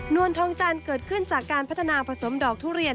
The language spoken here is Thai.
วลทองจันทร์เกิดขึ้นจากการพัฒนาผสมดอกทุเรียน